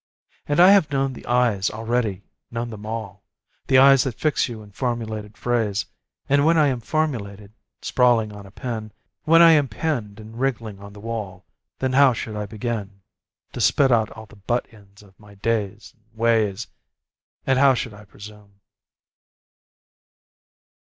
And I have known the eyes already, known them all The eyes that fix you in a formulated phrase, And when I am formulated, sprawling on a pin, When I am pinned and wriggling on the wall, Then how should I begin To spit out all the butt ends of my days and ways? And how should I presume?